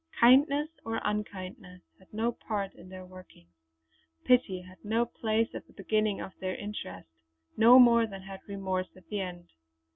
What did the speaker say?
Kindness or unkindness had no part in their workings; pity had no place at the beginning of their interest, no more than had remorse at the end.